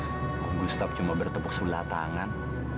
enggak om gustaf cuma bertepuk sebelah tangan